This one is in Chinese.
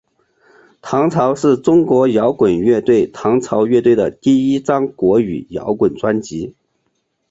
唐朝是中国摇滚乐队唐朝乐队的第一张国语摇滚专辑。